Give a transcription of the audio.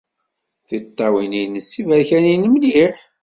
Tiṭṭawin-nnes d tiberkanin mliḥ.